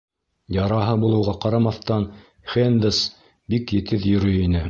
Яраһы булыуға ҡарамаҫтан, Хэндс бик етеҙ йөрөй ине.